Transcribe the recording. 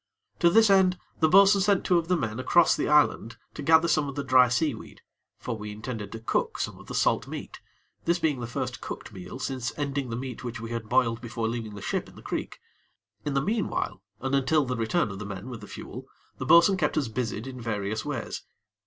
To this end, the bo'sun sent two of the men across the island to gather some of the dry seaweed; for we intended to cook some of the salt meat, this being the first cooked meal since ending the meat which we had boiled before leaving the ship in the creek. In the meanwhile, and until the return of the men with the fuel, the bo'sun kept us busied in various ways.